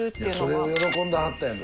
それを喜んではったやんか。